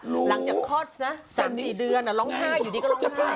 หลังจากพลอดรศนัตรูลา๓๔เดือนอ่ะร้องไห้อยู่นี่ก็ร้องไห้